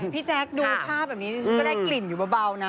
พี่แจ๊คดูภาพแบบนี้ดิฉันก็ได้กลิ่นอยู่เบานะ